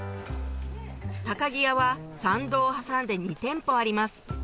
木屋は参道を挟んで２店舗あります